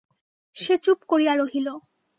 সে চুপ করিয়া রহিল।